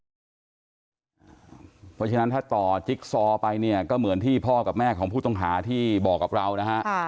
เพราะฉะนั้นถ้าต่อจิ๊กซอไปเนี่ยก็เหมือนที่พ่อกับแม่ของผู้ต้องหาที่บอกกับเรานะฮะ